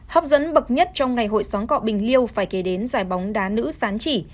hấp dẫn bậc nhất trong ngày hội sáng cọ bình liêu phải kể đến giải bóng đá nữ sán chỉ